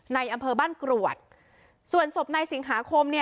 ในอำเภอบ้านกรวดส่วนศพในสิงหาคม